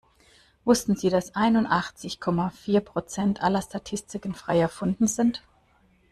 Wussten Sie, dass einundachtzig Komma vier Prozent aller Statistiken frei erfunden sind?